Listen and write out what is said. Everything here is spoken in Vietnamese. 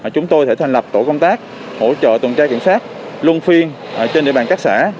chúng tôi sẽ thành lập tổ công tác hỗ trợ tuần tra kiểm soát luân phiên trên địa bàn các xã